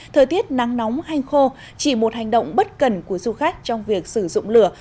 thời tiết nắng nóng hanh khô chỉ một hành động bất cần của du khách trong việc sử dụng lửa